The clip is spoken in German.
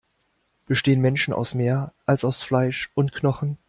Bestehen Menschen aus mehr, als aus Fleisch und Knochen?